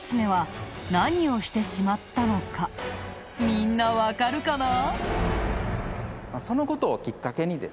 みんなわかるかな？